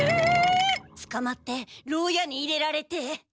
つかまってろう屋に入れられて。